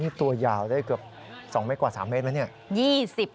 นี่ตัวยาวได้เกือบ๒เมตรกว่า๓เมตรไหมเนี่ย